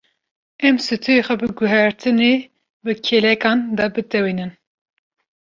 Em stûyê xwe bi guhertinê bi kêlekan de bitewînin.